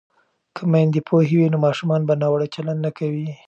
که میندې پوهې وي نو ماشومان به ناوړه چلند نه کوي.